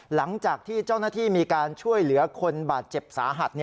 หลังจากที่เจ้าหน้าที่มีการช่วยเหลือคนบาดเจ็บสาหัส